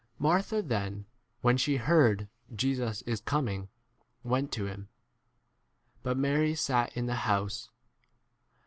Martha then, when she heard, Jesus is coming, went to him ; but Mary sat in the 21 house.